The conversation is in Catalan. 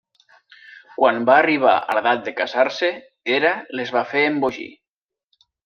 Quan van arribar a l'edat de casar-se, Hera les va fer embogir.